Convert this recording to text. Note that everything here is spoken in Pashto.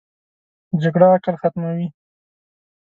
جګړه عقل ختموي